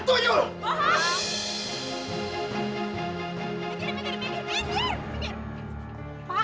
tangan jangan jangan